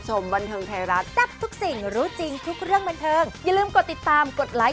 จริงไม่ใช่แค่น้องดุดดิว